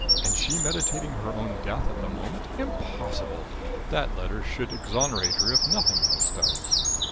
and she meditating her own death at the moment! Impossible! That letter should exonerate her if nothing else does." Mr.